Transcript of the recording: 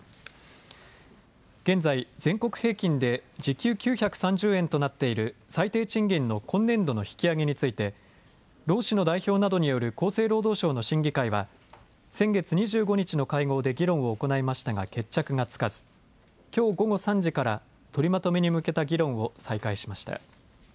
現在、全国平均で時給９３０円となっている最低賃金の今年度の引き上げについて労使の代表などによる厚生労働省の審議会は先月２５日の会合で議論を行いましたが決着がつかずきょう午後３時から取りまとめに向けた議論を再開しました。